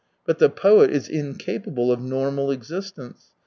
But the poet is incapable of normal existence.